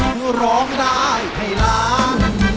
คือร้องได้ให้ล้าน